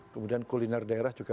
kemudian kuliner daerah juga